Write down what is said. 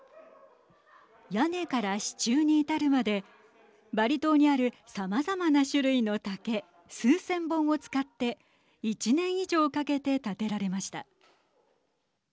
屋根から支柱に至るまでバリ島にあるさまざまな種類の竹数千本を使って１年以上かけて建てられました。